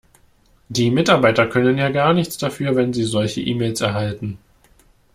Die Mitarbeiter können ja gar nichts dafür, wenn sie solche E-Mails erhalten.